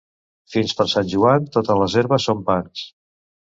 Fins per Sant Joan, totes les herbes són pans.